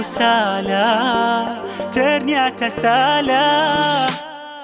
salah ternyata salah